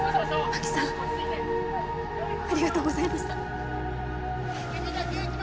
真木さんありがとうございました。